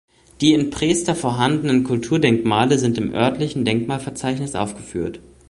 Die in Prester vorhandenen Kulturdenkmale sind im örtlichen Denkmalverzeichnis aufgeführt.